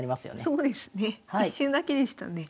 そうですね一瞬だけでしたね。